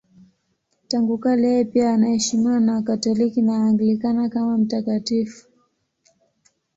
Tangu kale yeye pia anaheshimiwa na Wakatoliki na Waanglikana kama mtakatifu.